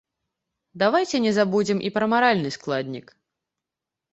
Давайце не забудзем і пра маральны складнік.